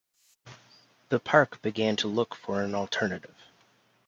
The park began to look for an alternative.